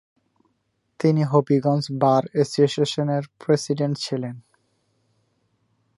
তিনি হবিগঞ্জ বার এসোসিয়েশনের প্রেসিডেন্ট ছিলেন।